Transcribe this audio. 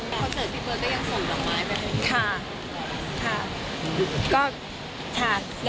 เพราะเจอที่เบอร์จะยังส่งต่อไม้ไปไหนค่ะค่ะ